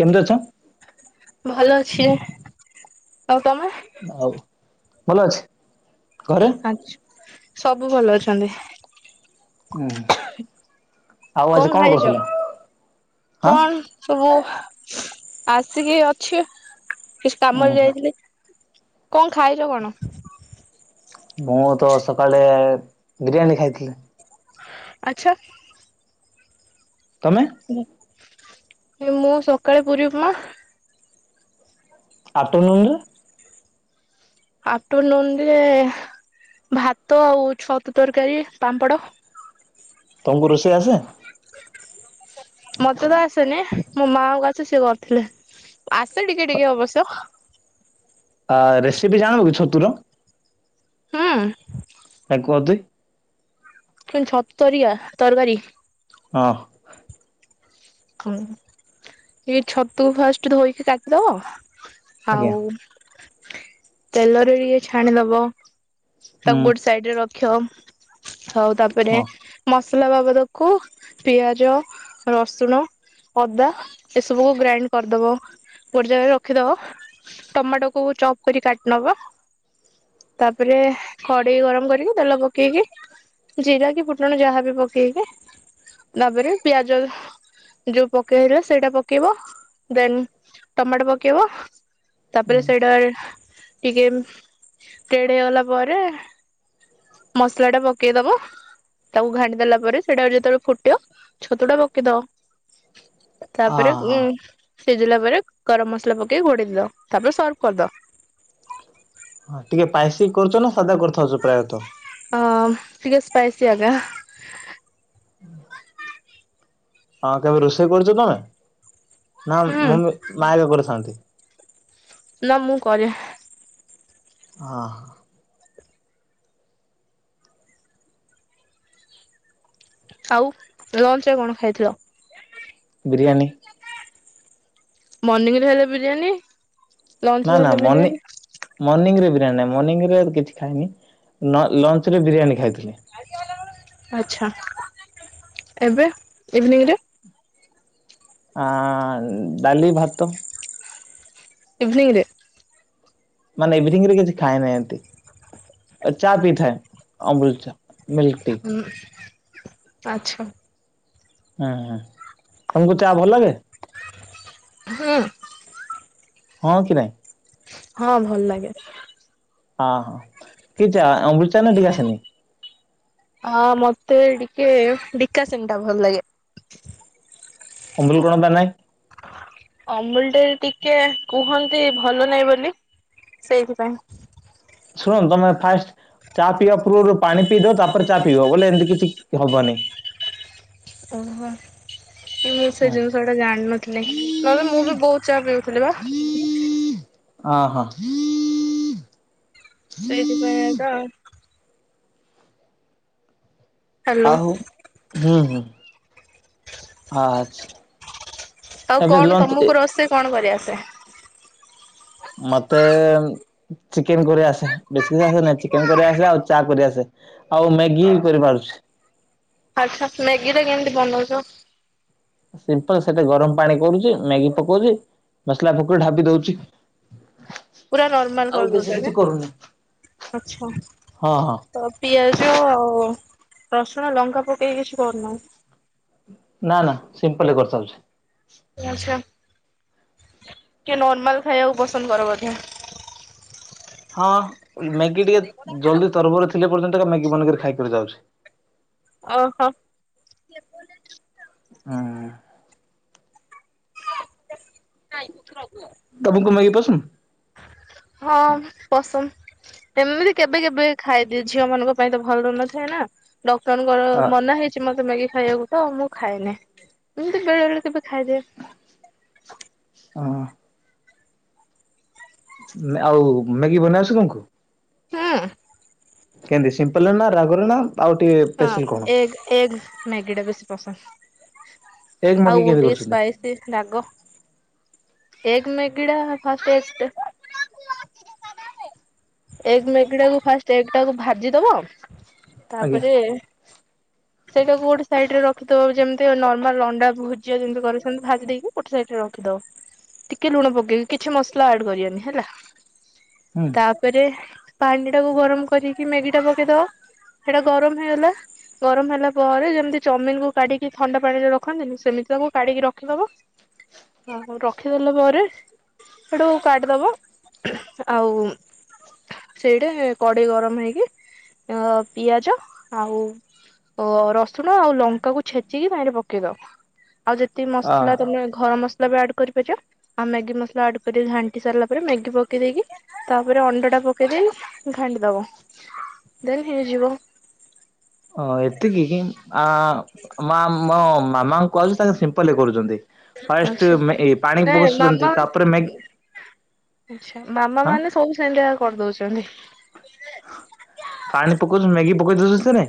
କେମିତି ଅଛ? ଭଲ ଅଛି, ଆଉ ତୋମେ? ଆଉ ଭଲ ଅଛି, ଘରେ? ଆଛ ସବୁ ଭଲ ଅଛନ୍ତି। ଅଁ, ହଁ। କଣ ଖାଇଚ? ହଁ କଣ ସବୁ ଆସିକି ଅଛି। କିଛି ଉଁ କାମରେ ହୁଁ ଯାଇଥିଲି, କଣ ଖାଇଚ କଣ? ମୁଁ ତ ସକାଳେ ବିରିୟାନୀ ଖାଇଥିଲି। ଆଛା। ତମେ? ମୁଁ ସକାଳେ ପୁରୀ ଉପମା ଅପ୍ଟରନୁନୁରେ ଆଫ୍ଟରନୁନ ରେ ଭାତ ଆଉ ଛତୁ ତରକାରୀ ପାମ୍ପଡ଼। ତମକୁ ରୋଷେଇ ଆସେ? ମତେ ତ ଆସେନି, ମୋ ମାକୁ ଆସେ ସିଏ କରିଥିଲେ। ଆସେ ଟିକେ ଟିକେ ଅବସ୍ୟ ଆ ରେସିପି ଜାଣୁ କି ଛତୁର। ହୁଁ। [inaudible] କିନ୍ତୁ ଛତରିଆ ତରକାରୀ। ହଁ। ହୁଁ ଏଇ ଛତୁକୁ ଫାଷ୍ଟ ଧୋଇକି କାଟିିଦବ। ଆଜ୍ଞା ଆଉ ତେଲରେ ଟିକେ ଛାଣିଦବ। ହୁଁ ତାକୁ ଗୋଟେ ସାଇଡ ରେ ରଖିବ ହଉ ତାପରେ ହଁ। ମସଲା ବାବଦକୁ ପିଆଜ ରସୁଣ ଅଦା ଏସବୁକୁ ଗ୍ରାଇଣ୍ଡ କରିଦବ ଗୋଟେ ଜାଗାରେ ରଖିଦବ। ଟମାଟୋକୁୁ ଚପ୍ କରି କାଟି ନବ। ତାପରେ କଡେଇ ଗରମ କରିକି ତେଲ ପକେଇକି ଜିରା କି ଫୁଟଣ ଯାହାବି ପକେଇବେ ତାପରେ ପିଆଜ ଯୋଉ ପକେଇଲେ ସେଇଟା ପକେଇବ ଦେନ୍ ଟମାଟୋ ପକେଇବ ତାପରେ ସେଇଟା ଟିକେ ତେଡେ ହେଇଗଲା ପରେ ମସଲା ଟା ପକେଇଦବ ତାକୁ ଘାଣ୍ଟି ଦେଲା ପରେ ସେଇଟା ଯେତେବେଳେ ଫୁଟିବ ଛତୁ ଟା ପକେଇଦବ ଆ ତାପରେ ଉଁ ହଁ ସିଝିଲା ପରେ ଗରମ ମସଲା ପକେଇକି ଘୋଡେଇ ଦବ ତାପରେ ସର୍ଭ କରିଦବ ଟିକେ ଶ୍ପାଇସି କରୁଛ ନା ସାଧା କରୁ ଥାଉଛ ପ୍ରାୟ ତ ହଁ ଟିକେ ସ୍ପାଇସି ଆଞ୍ଜା [inaudible] ହଁ କେବେ ରୋଷେଇ କରୁଛ ତମେ ନା ହୁଁ ମମି ମାବେ କରିଥାନ୍ତି। ନା ମୁଁ କରେ। ହଁ। ଆଉ ଲଞ୍ଚ ରେ କଣ ଖାଇଥିଲ? ବିରିୟାନୀ ମର୍ଣିଂ ରେ ହେଲେ ବିରିୟାନୀ। ଲଞ୍ଚ ରେ ନା ନା ହେଲେ ମନି। ବିରିୟାନୀ ମର୍ଣ୍ଣିିଂ ରେ ବିରିୟାନୀ ନାହିଁ ମର୍ଣ୍ଣିଂରେ କିଛି ଖାଇନି ଲଞ୍ଚ ରେ ବିରିୟାନୀ ଖାଇଥିଲି। ଆଚ୍ଛା ଏବେ ଇଭିନିଂ ରେ ଆଁ ଆଁ ଡାଲି ଭାତ ଇଭିନିଂରେ। ମାନେ ଈଭୀନିଂ ରେ କିଛି ଖାଏନି ଏମନ୍ତି ଆଁ ଚା ପିଇଥାଏ ଅମୁଲୁ ଚା। ମିଲ୍କ ଟି ହୁଁ ଆଚ୍ଛା। ଆଁ ଆଁ ତମକୁ ଚା ଭଲ ଲାଗେ? ହୁଁ। ହଁ କି ନାହିଁ। ହଁ ଭଲ ଲାଗେ। [inaudible] ହଁ ମତେ ଟିକେ ବିକା ସେନ ଟା ଭଲ ଲାଗେ। ଅମୁଲ କଣତା ନାଇଁ। ଅମୁଲଟେ ଟିକେ କୁହନ୍ତି ଭଲ ନାହିଁ ବୋଲି ସେଇଥିପାଇଁ। ଶୁଣ ତମେ ଫାଷ୍ଟ। ଚା ପିଇବା ପୂର୍ବରୁ ପାଣି ପିଇ ଦବ। ତାପରେ ଚା ପିଇବ। ବୋଲେ ଏମିତି କିଛି ହବନି। ଓଃ ହଁ। ନାଇଁ ମୁଁ ସେ ହଁ ଜିନିଷ ଟା ଜାଣି ନଥିଲି। ନହେଲେ ମୁଁ ବି ବୋହୁତ ଚା ପିଉଥିଲି ପା। ହଁ ହଁ। ସେଇଥି ପାଇଁ ତ ଆଉ। ହ୍ୟାଲୋ ଆଉ ହୁଁ ହୁଁ। ଆଚ୍ଛା। ଆଉ ଏବେ କଣ ଲଞ୍ଚ ତମୁକୁ ରୋଷେଇ କଣ କରି ଆସେ? ମତେ ଚିକେନ୍ କରି ଆସେ। ବେଶୀ ବି ଆସେ ନାଇଁ। ଚିକେନ୍ କରି ଆସେ ଆଉ ଚା କରି ଆସେ। ଆଉ ମ୍ୟାଗି ବି କରି ପାରୁଛି। ଆଚ୍ଛା। ମ୍ୟାଗି ଟା କେମିତି ବନୋଉଛ? ସିମ୍ପଲ୍ ସେତେରେ ଗରମ ପାଣି କରୁଚି। ମ୍ୟାଗି ପକୋଉଛି। ମସଲା ପକେଇକି ଢାବି ଦୋଉଛି। ପୁରା ନର୍ମାଲ୍ କରିଦୋଉଚ କିଛି ନା? କରୁନି ଆଚ୍ଛା। ହଁ ହଁ ତ ପିଆଜ ଆଉ ରସୁଣ ଲଙ୍କା ପକେଇକି କିଛି କରୁନ? ନା ନା ସିମ୍ପଲ୍ ରେ କରି ଦୋଉଛି। ଆଚ୍ଛା। ଟିକିଏ ନର୍ମାଲ୍ ଖାଇବାକୁ ପସନ୍ଦ କର ବୋଧେ? ହଁ। ମ୍ୟାଗି ଟିକେ ଜଲ୍ଦି ତରବର ଥିଲେ ପର୍ଯ୍ୟନ୍ତ ତ ମ୍ୟାଗି ବନେଇକିରି ଖାଇକରି ଯାଉଛି। ଅହ। ହଁ। [unintelligible] ତମୁକୁ ମ୍ୟାଗି ପସନ୍ଦ୍? ହଁ ପସନ୍ଦ୍। ଏମିତି କେବେ କେବେ ଖାଇ ଦିଏ ଝିଅ ମାନଙ୍କ ପାଇଁ ତ ଭଲ ରନଥାଏ ନା। ଡକ୍ଟରଙ୍କର ହଁ ମନା ହେଇ କିଛି ମତେ ମ୍ୟାଗି ଖାଇବାକୁ ତ ମୁଁ ଖାଏନି। ଏମିତି ବେଳେ ବେଳେ କେବେ ଖାଇ ଦିଏ। ଅ ହଁ ହଁ। ମ୍ୟା ଆଉ ମ୍ୟାଗି ବନେଇ ଆସେ ତମୁକୁ? ହଁ। କେମତି ସିମ୍ପଲ୍ ରେ ନା? ରାଗରେ ନା? ଆଉ ଟିକେ ହଁ ସ୍ପେଶଲ୍ କଣ? ଏଗ୍ ଏଗ୍ ମ୍ୟାଗି ଟା ବେଶୀ ପସନ୍ଦ୍। ଏଗ ମ୍ୟାଗି ଆଉ କେମିତି ଟିକେ କରୁଛନ୍ତି ସ୍ପାଇସିସ୍ ରାଗ। ଏଗ୍ ମ୍ୟାଗିଟା ଫାଷ୍ଟେ ତେଲ ଏଗ୍ ମେଗି ଟାକୁ ଫାଷ୍ଟେ ଏଗ୍ ଟାକୁ ଭାଜି ଦବ। ଆଜ୍ଞା ତାପରେ ସେଇଟାକୁ ଗୋଟେ ସାଇଟ୍ ରେ ରଖି ଦବ। ଯେମିତି ନର୍ମାଲ୍ ଅଣ୍ଡା ଭୁଜିଆ ଯେମିତି କରୁଛନ୍ତି। ଭାଜି ଦେଇକି ଗୋଟେ ସାଇଟ୍ ରେ ରଖି ଦବ। ଟିକେ ଲୁଣ ପକେଇକି। କିଛି ମସଲା ଆଡ୍ କରିବନି ହେଲା। ହୁଁ। ତାପରେ ପାଣି ଟାକୁ ଗରମ କରିକି ମ୍ୟାଗି ଟା ପକେଇ ଦବ। ସେଇଟା ଗରମ ହେଇଗଲା। ଗରମ ହେଲା ପରେ। ଯେମିତି ଚାଉମିନ୍ କୁ କାଢ଼ିକି ଥଣ୍ଡା ପାଣିରେ ରଖନ୍ତିନି। ସେମିତି ତାକୁ କଢ଼ିକି ରଖି ଦବ। ଆଉ ରଖି ଦେଲା ପରେ। ସେଇଠୁ କାଢ଼ି ଦବ। ଆଉ ସେଇଟା କଡ଼େଇ ଗରମ ହେଇକି। ଆଁ ପିଆଜ ଆଉ ରସୁଣ ଆଉ ଲଙ୍କା କୁ ଛେଚିକି ସେଇଠି ପକେଇ ଦବ। ଆଉ ଯେତିକି ଅ ମସଲା ତମେ ଘର ମସଲା ବି ଆଡ୍ କରି ପାରିବ ଆଉ ମ୍ୟାଗି ମସଲା ଆଡ୍ କରିକି ଘାଣ୍ଟି ସାରିଲା ପରେ ମ୍ୟାଗି ପକେଇ ଦେଇକି ତାପରେ ଅଣ୍ଡା ଟା ପକେଇ ଦେଇକି ଘାଣ୍ଡି ଦବ ଦେନ୍ ହେଇଯିବ। ହଁ ଏତିକି କି ଆ ମା ମୋ ମାମାଙ୍କୁ କହିଲି ତାର ସେ ସିମ୍ପଲ୍ କରୁଚନ୍ତି। ଫାଷ୍ଟେ ଆଛା ମାନ୍ ଏ ପାଣି ନାଇଁ ପକୋଉସସନ୍ତି ତାପରେ ମ୍ୟାଗି ଆଚ୍ଛା ମାମା ମାନେ ସବୁ ସେମିତିଆ କରି ଦୋଉଚନ୍ତି। ପାଣି ପକୋଉଛନ୍ତି ମ୍ୟାଗି ବି ପକୋଉଚନ୍ତି ସେନେ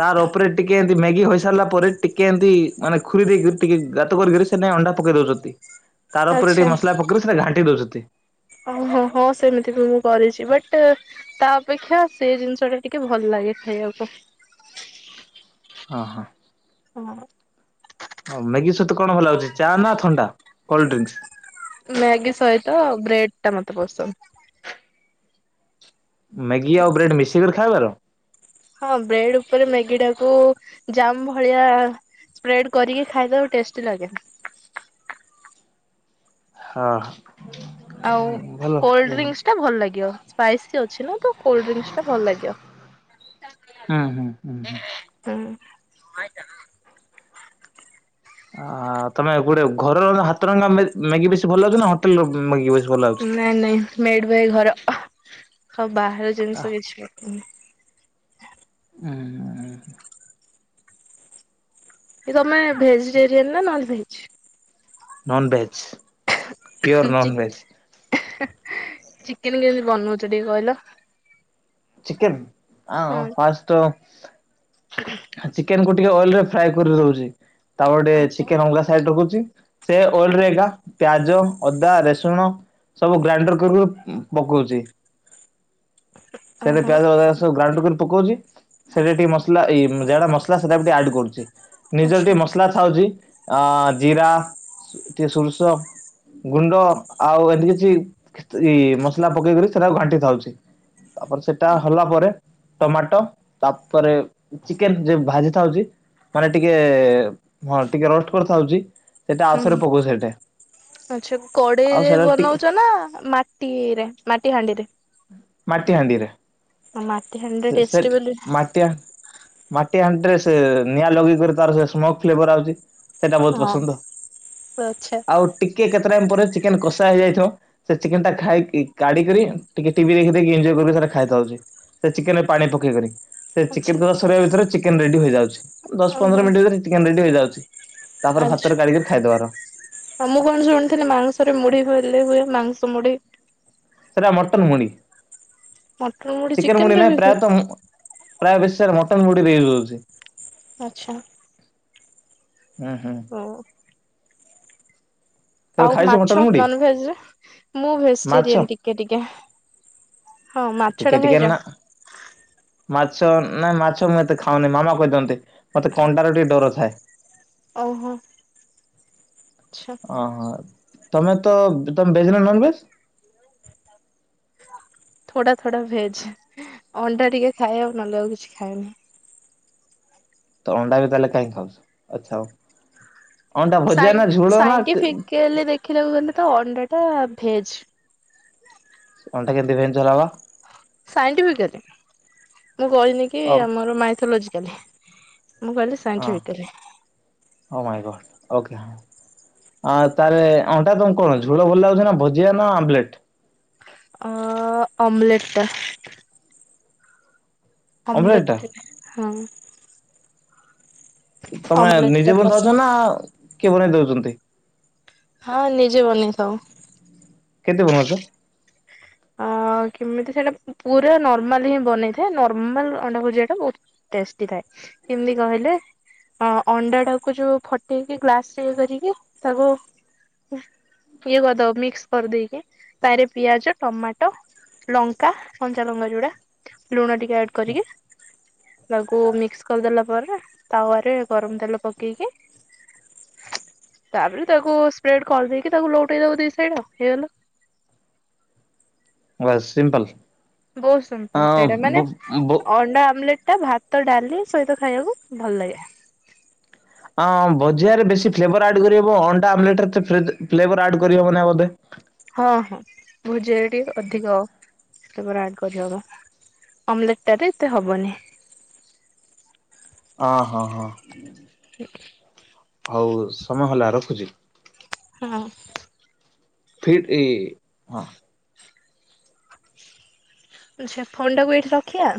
ତାର ଉପରେ ଟିକେ ଏମିତି ମ୍ୟାଗି ହୋଇ ସାରିଲା ପରେ। ଟିକେ ଏମିତି ମାନେ ଖୁରୀ ଦେଇକିରି ଟିକେ ଗାତ କରିକରି ସେ ଥିରେ ଅଣ୍ଡା ପକେଇ ଦୋଉଛନ୍ତି। [inaudible] ତାର ଉପରେ ଆଛା ଟିକେ ମସଲା ପକେରି ସେରା ଘାଣ୍ଟି ଦୋଉଚନ୍ତି। ଓହୋ ହଁ ସେମିତି ବି ମୁଁ କରିଚି ବଟ୍ ତା ଅପେକ୍ଷା ସେ ଜିନିଷ ଟା ଟିକେ ଭଲ ଲାଗେ ଖାଇବାକୁ। ଅ ହ। ହଁ। ଅ ମ୍ୟାଗି ସହିତ କଣ ଭଲ ହାଗୁଚି ଚା ନା ଥଣ୍ଡା କୋଲଡ୍ରିଙ୍କସ? ମ୍ୟାଗି ସହିତ ବ୍ରେଡ ଟା ମତେ ପସନ୍ଦ। ମ୍ୟାଗି ଆଉ ବ୍ରେଡ଼୍ ମିଶିକରି ଖାଇବାର? ହଁ ବ୍ରେଡ ଉପରେ ମ୍ୟାଗି ଟାକୁ ଜାମ ଭଳିଆ ସ୍ପ୍ରେଡ୍ କରିକି ଖାଇଦବ ଟେଷ୍ଟି ଲାଗେ। ହଁ। ଆଉ ଭଲ ହୁଁ କୋଲଡ୍ରିଙ୍କସ ଟା ଭଲ ଲାଗିବ ସ୍ପାଇସି ଅଛି ନା ତ କୋଲଡ୍ରିଙ୍କସ ଟା ଭଲ ଲାଗିବ। ହୁଁ ହୁଁ ହୁଁ। ହୁଁ। ଆ ତମେ ଗୋଟେ ଘର ର ହାତରନ୍ଧା ମା ମ୍ୟାଗି ବେଶୀ ଭଲ ଲାଗୁଚି ନା ହୋଟେଲ ର ମ୍ୟାଗି ବେଶୀ ଭଲ ଲାଗୁଚି। ନାଇଁ ନାଇଁ ମେଡ ବାଇ ଘର ଆଉ ବାହାର ଆ ଜିନିଷ କିଛି ହୁଁ ଉଁ। କି ତମେ ଭେଜିଟେରିୟନ ନା non veg? Non veg. Pure ଚି ନନ୍ ଭେଜ୍ ଚିକେନ କେମିତି ବନଉଚ ଟିକେ କହିଲ? ଚିକେନ୍ ଆଁ ଅ ଫାଷ୍ଟ ତ ହ ଚିକେନ କୁ ଟିକେ ଅଏଲ ରେ ଫ୍ରାଏ କରି ଦଉଚି ତାପଟେ ଆଚ୍ଛା। ଚିକେନ ଅଲଗା ସାଇଡ ରଖୁଚି। ସେ ଓଲ ଏକା ପିଆଜ ଅଦା ରେସୁଣ ସବୁ ଗ୍ରାଇଣ୍ଡର କରୁ ପକଉଚି। ସେଟା ଓହୋ ପିଆଜ ଅଦା ସବୁ ଗ୍ରାଇଣ୍ଡ କରି ପକଉଚି ସେଟା ଟିକେ ମସଲା ଇଏ ଯଟା ମସଲା ସେଟା ଟେ ଆଡ୍ କରୁଚି ନିଜର ଆଚ୍ଛା ଟିକେ ମସଲା ଥାଉଚି ଅ ଜିରା ଟିକେ ସୁରିସ ଗୁଣ୍ଡ ଆଉ ଏମିତି କିଛି ଇ ମସଲା ପକେଇକି ସେଟା ଘାଣ୍ଟି ଥାଉଚି। ତାପରେ ସେଟା ହେଲା ପରେ ଟମାଟୋ ତାପରେ ଚିକେନ୍ ଯ ଭାଜି ଥାଉଚି ମାନେ ଟିକେ ହଁ ଟିକେ ରୋଷ୍ଟ କରିଥାଉଚି ହୁଁ ଆଛା ଆଉ କଡେଇରେ ସେଟା ଟିକେ ବନଉଚ ନା ମା ଟିରେ ମାଟି ହାଣ୍ଡିରେ ମାଟି ହାଣ୍ଡିରେ ମାଟି ହାଣ୍ଡିରେ ସେ ଟେଷ୍ଟି ସେଟ ବୋଲି ମାଟି ମାଟି ହଣ୍ଡିରେ ସେ ନିଆଁ ଲଗେଇକରି ତାର ସେ ସ୍ମୋ ଫ୍ଲେଭର ଆଉଚି। ସେଟା ବହୁତ ହଁ ପସନ୍ଦ ଆଚ୍ଛା ଆଉ ଟିକେ କେତେ ଟାଇମ ପରେ ଚିକେନ କଷା ହେଇଯାଇଥିବ ସେ ଚିକେନ ଟା ଖାଇ କାଢି କରି ଟିକେ ଟି ଟିଭି ଦେଖି ଦେଖି ଏଞ୍ଜଏ କରି କରି ଖାଇବା ଖାଉଛି, ସେ ଚିକେନ ରେ ପାଣି ପକେଇବେନି ସେ ଆଚ୍ଛା ଚିକେନ ଭିତରେ ଚିକେନ ରେଡି ହୋଇଯାଉଛି। ଦଶ ପନ୍ଦର ଓହୋ ମିନିଟ ଭିତରେ ଚିକେନ ରେଡି ହେଇଯାଉଛି ତାପରେ ଆଚ୍ଛା। ଭାତରେ କାଢିକରି ଖାଇଦବାର। ଆଉ ମୁଁ କଣ ଶୁଣିଥିଲି ମାଂସରେ ମୁଢି ହେଲେ ହୁଏ ମାଂସ ମୁଢି। ସେରା ମଟନ୍ ମୁଡି, ମଟନ ମୁଢି ଚିକେନ ମୁଡ଼ି ରେ ନାଇ ବି ହୁଏ ପ୍ରାୟତଃ ପ୍ରାୟ ବେଶୀ ସାର ମଟନ ମୁଡି ଦେଇ ଦୋଉଚି। ଆଛା। ହୁଁ ହୁଁ। ହଉ କେବେ ଆଉ ଖାଇଛ ମଟନ ମାଛ ମୁଢି ନନ ଭେଜରେ ମୁଁ ମାଛ? ଭେଜିଟେରିଆନ ଟିକେ ଟିକେ। ହଁ ଟିକେ ମାଛଟା ଟିକେ ଖାଇଚ? ନା ମାଛ ନା ମାଛ ମୁଁ ଏତେ ଖାଉନି ମାମା ଖୋଇଦିଅନ୍ତି, ମତେ କଣ୍ଟାର ଟିକେ ଡର ଥାଏ। ଓହୋ। ଆଚ୍ଛା। ଅହୋ ତମେ ତ ତମେ ଭେଜ ନା ନନ ଭେଜ? ଥୋଡା ଥୋଡା ଭେଜ, ଅଣ୍ଡା ଟିକେ ଖାଏ ଆଉ ନହେଲେ ଆଉ କିଛି ଖାଏନି। ତ ଅଣ୍ଡା ବି ତାହେଲେ କାଇଁ ଖାଉଛ ଆଛା ହଉ, ଅଣ୍ଡା ଭଜିଆ ସାଇ ନା ଝୁଳ ନା ସାଇଣ୍ଟିଫିକାଲି ଦେଖିବାକୁ ଗଲେ ତ ଅଣ୍ଡା ଟା ଭେଜ। ଅଣ୍ଡା କେମତି ଭେଜ୍ ହେଲା ବା? ସାଇଣ୍ଟିଫିକାଲି ମୁଁ କହିନି କି ଅ ଆମର ମାଇଥୋଲୋଜିକାଲି। ମୁଁ କହିଲି scientifically. Oh my god okay. ଆଉ ତାହେଲେ ଅଣ୍ଟା ତମକୁ କଣ ଝୋଳ ଭଲ ଲାଗୁଛି ନା ଭଜିଆ ନା ଆମ୍ବଲେଟ? ଅ ଅମ୍ଲେଟ ଟା। ଅମଲେଟ ଟା ଅମ୍ଲେଟ ହଁ। ତମେ ଅମଲେଟ ଟା ନିଜେ ବନୋଉ ଚ ପସନ୍ଦ ନା କିଏ ବନେଇ ଦଉଚନ୍ତି? ହଁ ନିଜେ ବନେଇଥାଉ। କେନ୍ତି ବନଉଛ? ଆ କେମିତି ସେଇଟା ପୁରା ନର୍ମାଲ ହିଁ ବନେଇଥାଏ ନର୍ମାଲ ଅଣ୍ଡା ଭୋଜିଆଟା ବହୁତ ଟେଷ୍ଟି ଥାଏ କେମି କହିଲେ ହଁ ଅଣ୍ଡାଟାକୁ ଯୋଉ ଫଟେଇକି ଗ୍ଲାସରେ ଇଏ କରିକି ତାକୁ ଇଏ କରିଦବ ମିକ୍ସ କରିଦେଇକି ତାରେ ପିଆଜ ଟମାଟ ଲଙ୍କା କଞ୍ଚାଲଙ୍କା ଯୁଡା ଲୁଣ ଟିକେ ଆଡ କରିକି ତାକୁ ମିକ୍ସ କରିଦେଲା ପରେ ତାୱାରେ ଗରମ ତେଲ ପକେଇକି ତାପରେ ତାକୁ ସ୍ପ୍ରେଡ କରିଦେଇକି ତାକୁ ଲଉଟେଇଦବ ଦି ସାଇଡ ଆଉ ହେଇଗଲା। ବସ୍ ସିମ୍ପଲ। ବହୁତ ଅ ସିମ୍ପଲ, ସେଇଟା ବ ମାନେ ବ ଅଣ୍ଡା ଆମଲେଟ ଟା ଭା ତ ଡାଲି ସହିତ ଖାଇବାକୁ ଭଲ ଲାଗେ। ହଁ ଭଜିଆରେ ବେଶୀ ଫ୍ଲେଭର ଆଡ କରିହବ ଅଣ୍ଡା ଆମଲେଟରେ ଏତେ ଫ୍ଲେଭର ଆଡ କରିହବନା ବୋଧେ। ହଁ ହଁ ଭୁଜିଆରେ ଟିକେ ଅଧିକ ଫ୍ଲେବର ଆଡ କରିହବ। ଅମଲେଟ୍ ଟାରେ ଏତେ ହବନି। ଅ ହଁ ହଁ। [inaudible] ହଉ ସମୟ ହେଲା ରଖୁଛି। ହଁ। ଫିର୍ ଏ ହଁ। ଆଛା ଫୋନଟା କୁ ଏଇଠି ରଖିଆ?